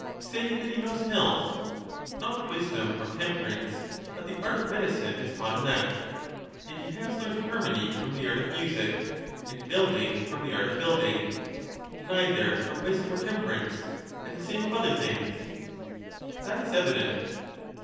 Say that he knows health; — not wisdom or temperance, but the art of medicine has taught him that; — and he has learned harmony from the art of music, and building from the art of building, — neither, from wisdom or temperance: and the same of other things. That is evident.